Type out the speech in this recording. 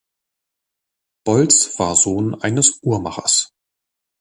Bolz war Sohn eines Uhrmachers.